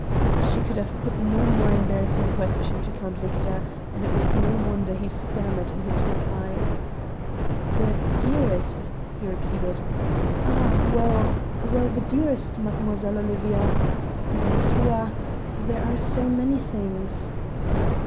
She could have put no more embarrassing question to Count Victor, and it was no wonder he stammered in his reply. "The dearest," he repeated. "Ah! well well the dearest, Mademoiselle Olivia; ma foi! there are so many things."